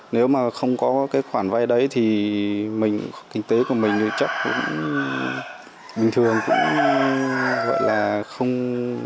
nếu mà không có cái khoản vay đấy thì mình kinh tế của mình thì chắc cũng bình thường cũng gọi là không